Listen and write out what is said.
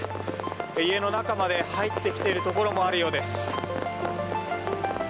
家の中まで入ってきているところもあるようです。